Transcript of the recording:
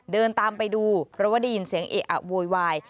เดินตามไปดูเพราะว่าได้ยินเสียงเอะอะโวยวาย